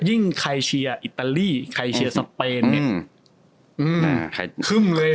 ยิ่งใครเชียร์อิตาลีใครเชียร์สเปนเนี่ย